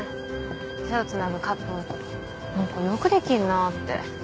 手をつなぐカップルとか何かよくできんなって。